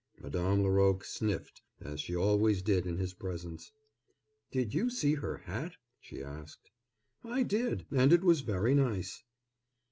Madame Laroque sniffed, as she always did in his presence. "Did you see her hat?" she asked. "I did, and it was very nice."